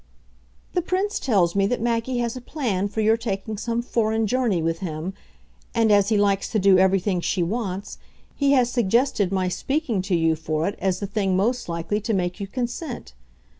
"The Prince tells me that Maggie has a plan for your taking some foreign journey with him, and, as he likes to do everything she wants, he has suggested my speaking to you for it as the thing most likely to make you consent.